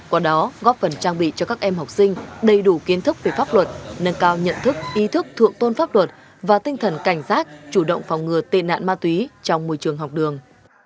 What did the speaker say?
qua đó góp phần trang bị cho các em học sinh đầy đủ kiến thức về pháp luật nâng cao nhận thức ý thức thượng tôn pháp luật và tinh thần cảnh giác chủ động phòng ngừa tị nạn ma túy trong môi trường học đường